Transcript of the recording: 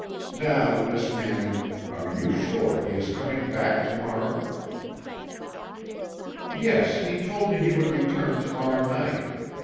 Now, Miss Manning, are you sure he is coming back to morrow?" "Yes, he told me he would return to morrow night.